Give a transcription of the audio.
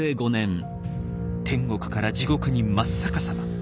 天国から地獄に真っ逆さま。